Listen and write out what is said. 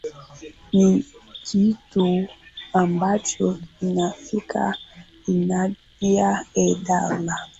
ni kitu ambacho kina kina ifanya ee dola